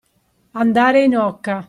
Andare in oca.